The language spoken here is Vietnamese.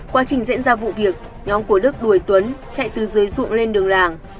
quá trình diễn ra vụ việc nhóm của đức đuổi tuấn chạy từ dưới ruộng lên đường làng